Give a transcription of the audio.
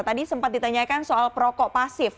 ada yang sempat ditanyakan soal perokok pasif